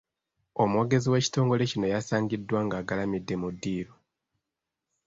Omwogezi w'ekitongole kino yasangiddwa ng’agalimidde mu ddiiro.